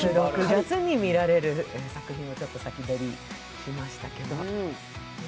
夏に見られる作品をちょっと先取りしましたけれども。